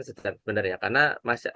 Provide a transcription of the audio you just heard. sebenarnya karena masyarakat